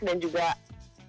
dan juga anak anak